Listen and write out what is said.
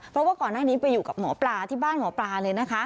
เพราะว่าก่อนหน้านี้ไปอยู่กับหมอปลาที่บ้านหมอปลาเลยนะคะ